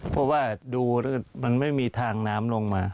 เพราะว่าดูแล้วมันไม่มีทางน้ำลงมา